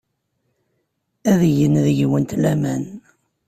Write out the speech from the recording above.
Ad gen deg-went laman.